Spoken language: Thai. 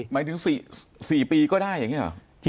หมายถึง๔ปีก็ได้อย่างนี้หรอ